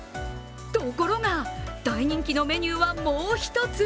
ところが、大人気のメニューはもう一つ。